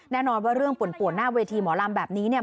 แน่นอนว่าเรื่องป่วนหน้าเวทีหมอลำแบบนี้เนี่ย